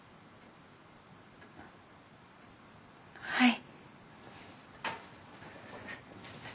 はい。